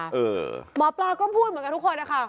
หมอปลาก็พูดเหมือนกันทุกคนนะคะ